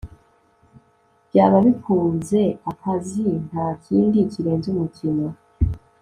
Byaba bikuze akazi ntakindi kirenze umukino